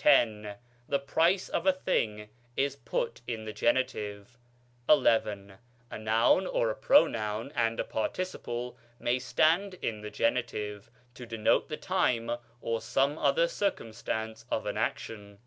X. The price of a thing is put in the genitive. _ XI. A noun or a pronoun and a participle may stand in the genitive, to denote the time or some other circumstance of an action.